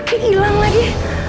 gak ada yang ngambil